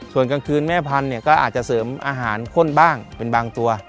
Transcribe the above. ส่วนกลางคืนแม่พันธุ์เนี่ยก็อาจจะเสริมอาหารข้นบ้างเป็นบางตัว